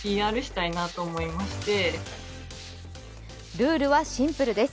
ルールはシンプルです。